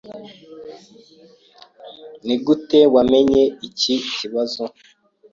Nigute wamenye iki kibazo?